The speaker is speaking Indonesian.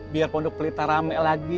biar pondok pelita rame lagi